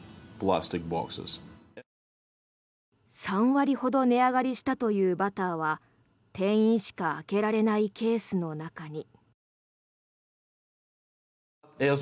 ３割ほど値上がりしたというバターは店員しか開けられないケースの中に。